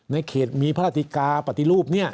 ในเขตมีพระธิกาปฏิรูปนี่